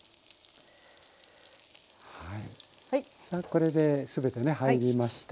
さあこれで全てね入りました。